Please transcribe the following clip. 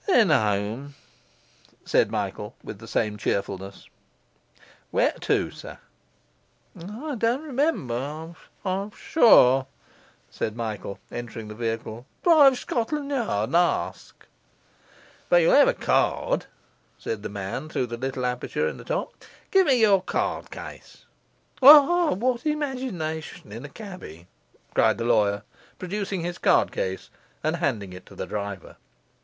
'Then home,' said Michael, with the same cheerfulness. 'Where to, sir?' 'I don't remember, I'm sure,' said Michael, entering the vehicle, 'drive Shcotlan' Yard and ask.' 'But you'll have a card,' said the man, through the little aperture in the top, 'give me your card case.' 'What imagi imagination in a cabby!' cried the lawyer, producing his card case, and handing it to the driver.